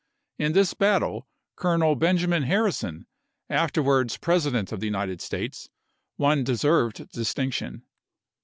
In this battle, Colonel Benjamin Harrison, afterwards President of the United States, won deserved dis tinction.